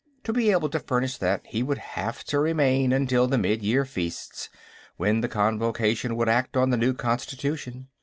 To be able to furnish that, he would have to remain until the Midyear Feasts, when the Convocation would act on the new constitution.